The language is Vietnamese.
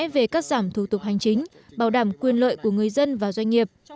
với các giảm thủ tục hành chính bảo đảm quyền lợi của người dân và doanh nghiệp